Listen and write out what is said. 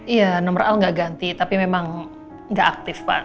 iya nomor al nggak ganti tapi memang nggak aktif pak